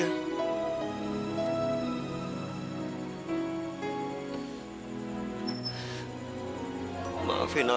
aku bisa ngambil semuanya dari dia